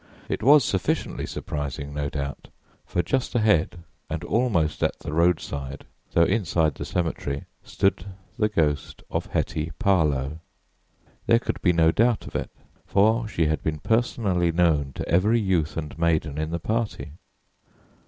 It was sufficiently surprising, no doubt, for just ahead, and almost at the roadside, though inside the cemetery, stood the ghost of Hetty Parlow. There could be no doubt of it, for she had been personally known to every youth and maiden in the party.